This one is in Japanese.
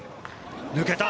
抜けた！